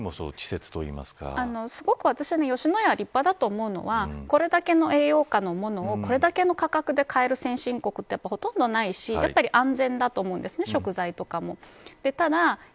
ただ、ちょっと表現が私が吉野家が立派だと思うのはこれだけの栄養価のものをこれだけの価格で買える先進国ってほとんどないしやっぱり食材とかも安全だと思うんです。